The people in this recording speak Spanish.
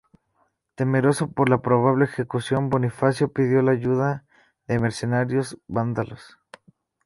Temeroso por la probable ejecución, Bonifacio pidió la ayuda de mercenarios vándalos.